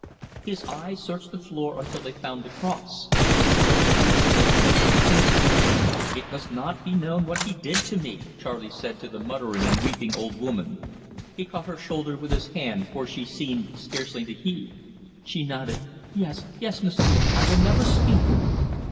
His eyes searched the floor until they found the cross. Rosalie picked it up with the pincers. "It must not be known what he did to me," Charley said to the muttering and weeping old woman. He caught her shoulder with his hand, for she seemed scarcely to heed. She nodded. "Yes, yes, M'sieu', I will never speak."